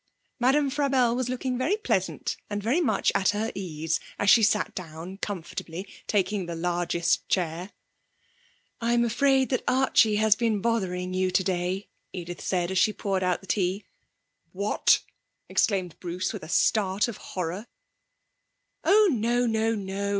Madame Frabelle was looking very pleasant and very much at her ease as she sat down comfortably, taking the largest chair. 'I'm afraid that Archie has been bothering you today,' Edith said, as she poured out tea. 'What!' exclaimed Bruce, with a start of horror. 'Oh no, no, no!